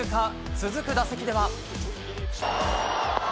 続く打席では。